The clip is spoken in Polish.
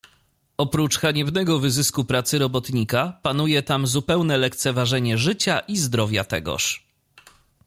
"Oprócz haniebnego wyzysku pracy robotnika, panuje tam zupełne lekceważenie życia i zdrowia tegoż."